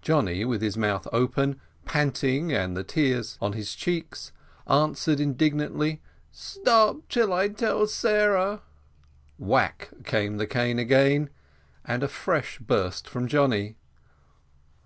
Johnny, with his mouth open, panting, and the tears on his cheeks, answered indignantly, "Stop till I tell Sarah." Whack came the cane again, and a fresh burst from Johnny.